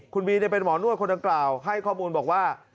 คุณบีเป็นหมอนวดคนดังกล่าวให้ข้อมูลบอกว่า